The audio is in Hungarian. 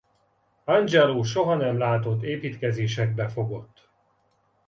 Angelo soha nem látott építkezésekbe fogott.